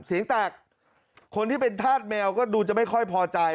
เสียงแตกคนที่เป็นธาตุแมวก็ดูจะไม่ค่อยพอใจ